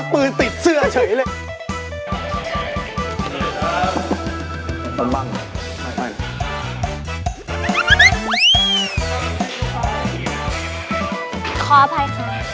เพื่ออะไร